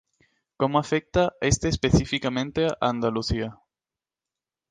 como afecta este específicamente a Andalucía